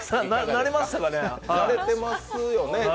なれてますよね。